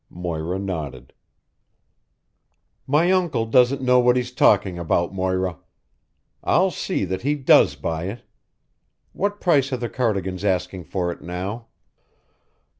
Moira nodded. "My uncle doesn't know what he's talking about, Moira. I'll see that he does buy it. What price are the Cardigans asking for it now?"